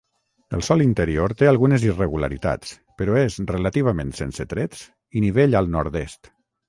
El sòl interior té algunes irregularitats, però és relativament sense trets i nivell al nord-est.